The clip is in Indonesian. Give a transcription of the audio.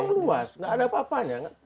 memang luas tidak ada apa apanya